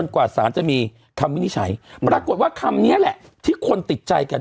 กว่าสารจะมีคำวินิจฉัยปรากฏว่าคำนี้แหละที่คนติดใจกัน